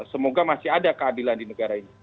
semoga masih ada keadilan di negara ini